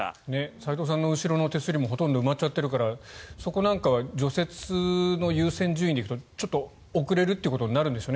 齋藤さんの後ろの手すりもほとんど埋まっちゃってるからそこなんかは除雪の優先順位でいくとちょっと遅れるっていうことになるんでしょうね